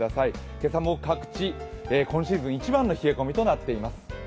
今朝も各地、今シーズン一番の冷え込みとなっています。